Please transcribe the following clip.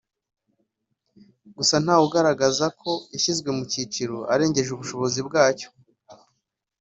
gusa ntawe ugaragaza ko yashyizwe mu cyiciro arengeje ubushobozi bwacyo